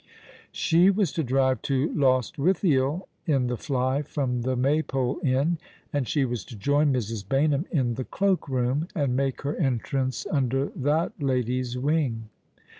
She was to drive to Lostwithiel in the fly from the Maypole Inn, and she was to join Mrs. Baynham in the cloak room, and make her entrance under that lady's wing.